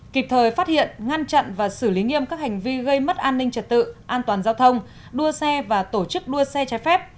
kịp thời phát hiện ngăn chặn và xử lý nghiêm các hành vi gây mất an ninh trật tự an toàn giao thông đua xe và tổ chức đua xe trái phép